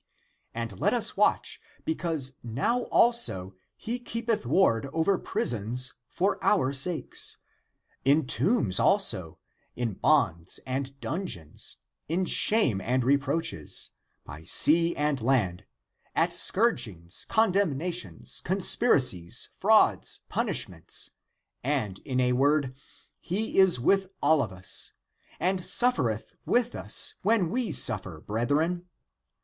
And let us watch because now also he keepeth ward over prisons for our sakes, in tombs also, in bonds and dungeons, in shame and reproaches, by sea and land, at scourgings, condem nations, conspiracies, frauds, punishments, and, in a word, he is with all of us, and suffereth with us l88 THE APOCRYPHAL ACTS when we suffer, brethren.